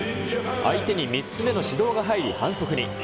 相手に３つ目の指導が入り反則に。